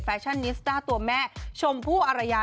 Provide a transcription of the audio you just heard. แฟชั่นนิสตาร์ตัวแม่ชมผู้อรรยา